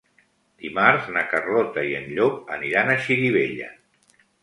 Dimarts na Carlota i en Llop aniran a Xirivella.